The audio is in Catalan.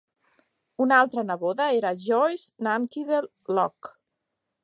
Una altra neboda era Joice NanKivell Loch.